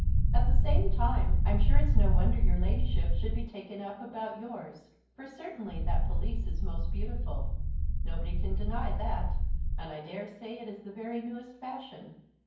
At the same time, I'm sure it's no wonder your Ladyship should be taken up about yours, for certainly that pelisse is most beautiful. Nobody can deny that; and I daresay it is the very newest fashion.